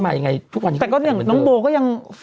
มันเหมือนอ่ะ